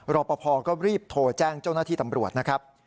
รอปภก็รีบโทรแจ้งเจ้าหน้าที่ตำรวจนะครับ